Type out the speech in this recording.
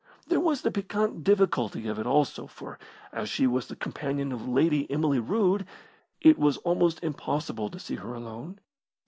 There was the piquant difficulty of it also, for, as she was the companion of Lady Emily Rood it was almost impossible to see her alone.